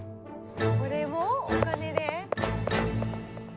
これもお金で？